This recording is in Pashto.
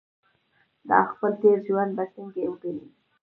دا خپل تېر ژوند به څنګه وګڼي.